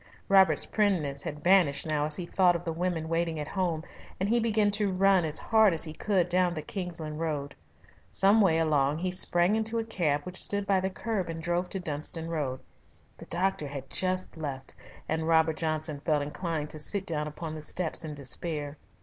Robert's primness had vanished now as he thought of the women waiting at home, and he began to run as hard as he could down the Kingsland Road. Some way along he sprang into a cab which stood by the curb and drove to Dunstan Road. The doctor had just left, and Robert Johnson felt inclined to sit down upon the steps in despair.